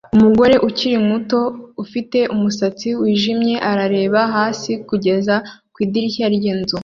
Umugore ukiri muto ufite umusatsi wijimye arareba hasi kugeza ku idirishya ryinzu